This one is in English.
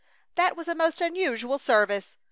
That was a most unusual service.